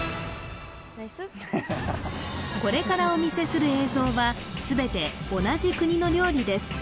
これからお見せする映像は全て同じ国の料理です